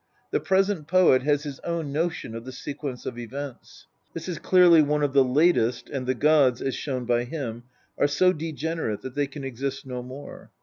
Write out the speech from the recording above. The present poet has his own notion of the sequence of events. This is clearly one of the latest, and the gods, as shown by him, are so degenerate that they can exist no more.